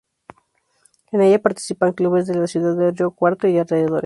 En ella participan clubes de la ciudad de Río Cuarto y alrededores.